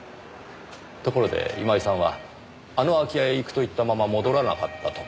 ところで今井さんはあの空き家へ行くと言ったまま戻らなかったとか。